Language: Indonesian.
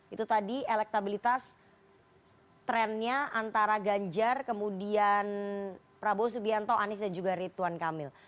itu tadi elektabilitas trennya antara ganjar kemudian prabowo subianto anies dan juga rituan kamil